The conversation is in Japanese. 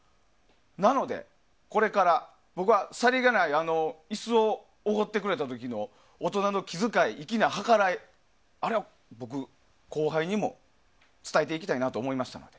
なので、これから僕はさりげない椅子をおごってくれた時の大人の気遣い粋な計らい、あれを僕は後輩にも伝えていきたいなと思いました。